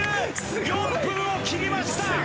４分を切りました！